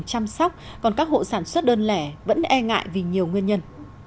chăm sóc còn các hộ sản xuất đơn lẻ vẫn e ngại vì nhiều nguyên nhân